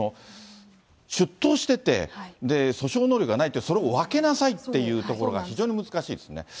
出頭してて、訴訟能力がないって、それを分けなさいっていうところが、非常に難しいですね。